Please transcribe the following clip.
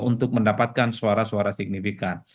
untuk mendapatkan suara suara signifikan